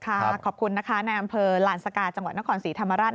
ขอบคุณนะคะในอำเภอลานสกาจังหวัดนครศรีธรรมราช